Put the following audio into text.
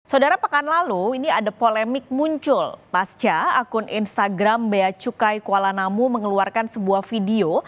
saudara pekan lalu ini ada polemik muncul pasca akun instagram bea cukai kuala namu mengeluarkan sebuah video